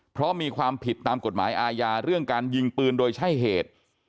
เพราะมีความผิดตามกฎหมายอาญาเรื่องการยิงปืนโดยใช่เหตุ